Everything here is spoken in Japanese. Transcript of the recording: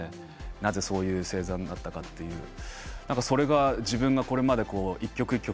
なぜそういう星座になったのかそれが自分がこれまで一曲一曲